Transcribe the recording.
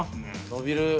◆伸びる。